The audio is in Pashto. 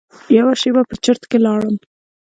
یوه شېبه په چرت کې لاړم.